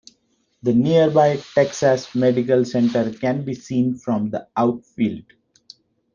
The nearby Texas Medical Center can be seen from the outfield.